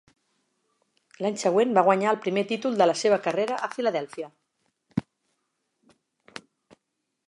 L'any següent va guanyar el primer títol de la seva carrera a Filadèlfia.